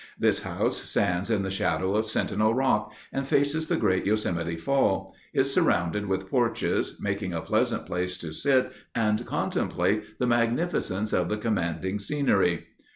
This house stands in the shadow of Sentinel Rock, and faces the great Yosemite Fall; is surrounded with porches, making a pleasant place to sit and contemplate the magnificence of the commanding scenery.